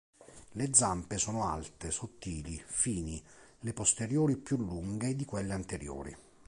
Le zampe sono alte, sottili, fini, le posteriori più lunghe di quelle anteriori.